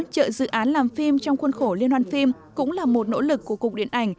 chợ dự án làm phim trong khuôn khổ liên hoan phim cũng là một nỗ lực của cục điện ảnh